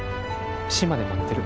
島で待ってる。